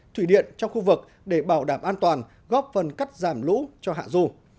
thủy điện trong khu vực để bảo đảm an toàn góp phần cắt giảm lũ cho hạ du